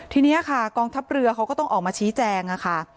ทีนี้ค่ะกองทัพเรือเขาก็ต้องออกมาชี้แจงค่ะ